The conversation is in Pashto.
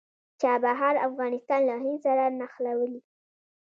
چابهار افغانستان له هند سره نښلوي